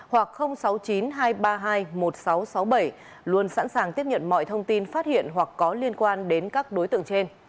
hoặc sáu mươi chín hai trăm ba mươi hai một nghìn sáu trăm sáu mươi bảy luôn sẵn sàng tiếp nhận mọi thông tin phát hiện hoặc có liên quan đến các đối tượng trên